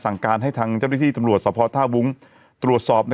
สั่งการให้ทางเจ้าลิทีตำรวจสพธาวบุ้งตรวจสอบนะ